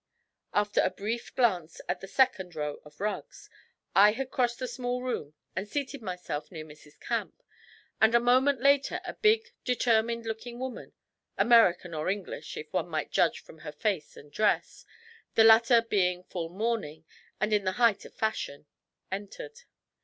After a brief glance at the second row of rugs, I had crossed the small room and seated myself near Mrs. Camp, and a moment later a big determined looking woman American or English, if one might judge from her face and dress, the latter being full mourning and in the height of fashion entered.